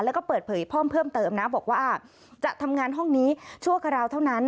แล้วก็เปิดเผยเพิ่มเติมนะบอกว่าจะทำงานห้องนี้ชั่วคราวเท่านั้น